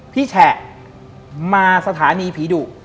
แฉะมาสถานีผีดุ